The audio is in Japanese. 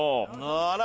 あら？